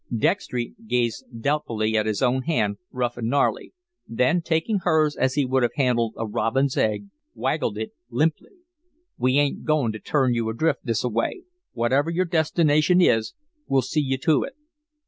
Dextry gazed doubtfully at his own hand, rough and gnarly, then taking hers as he would have handled a robin's egg, waggled it limply. "We ain't goin' to turn you adrift this a way. Whatever your destination is, we'll see you to it."